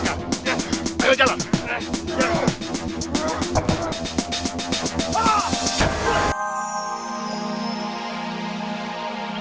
yang lainnya aku asyik mereka